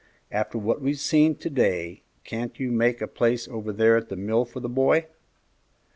After what we've seen to day, can't you make a place over there at the mill for the boy?"